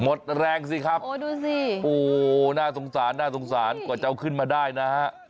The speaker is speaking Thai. หมดแรงสิครับโอ้ดูสิโอ้น่าสงสารกว่าเจ้าขึ้นมาได้นะฮะ